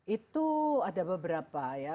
itu ada beberapa ya